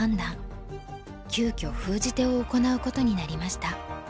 急遽封じ手を行うことになりました。